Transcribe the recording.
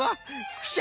クシャ。